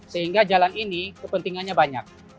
sehingga jalan ini kepentingannya banyak